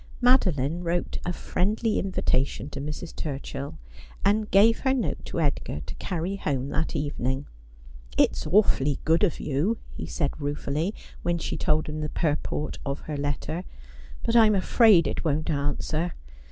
Madoline wrote a friendly invitation to Mrs. Turchill, and gave her note to Edgar to carry home that evening. ' It's awfully good of you,' he said ruefully, when she told him the purport of her letter, 'but I'm afraid it won"t answer.